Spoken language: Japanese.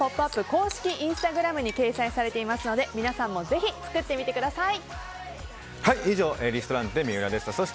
公式インスタグラムに掲載されていますので皆さんもぜひ作ってみてください。